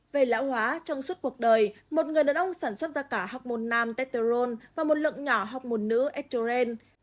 về lão hóa trong suốt cuộc đời một người đàn ông sản xuất ra cả học môn nam teterone và một lượng nhỏ học môn nữ estrogen